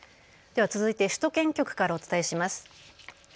では続いて首都圏局からお伝えします。